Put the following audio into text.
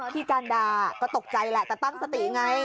พี่กัลดาก็ตกใจแล้วแต่ตั้งสติไง